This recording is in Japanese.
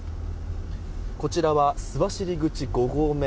こちらは須走口５合目。